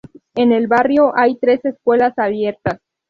En el barrio hay tres escuelas abiertas.